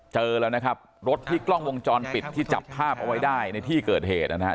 เจอแล้วนะครับรถที่กล้องวงจรปิดที่จับภาพเอาไว้ได้ในที่เกิดเหตุนะครับ